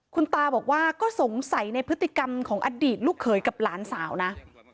คุณตาบอกว่าก็สงสัยในพฤติกรรมของอดีตลูกเขยกับหลานสาวนะ